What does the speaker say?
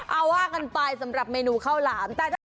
เอาว่ากันไปสำหรับเมนูข้าวหลาม